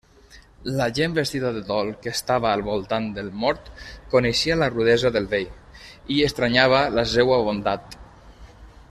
La gent vestida de dol que estava al voltant del mort coneixia la rudesa del vell, i estranyava la seua bondat.